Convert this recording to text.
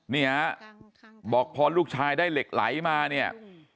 นี่ฮะบอกพอลูกชายได้เหล็กไหลมาเนี่ย